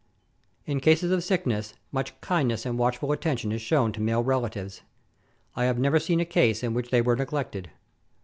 In cases of sickness, much kindness and watchful attention is shown to male relatives. I have never seen a case in which they were neglected.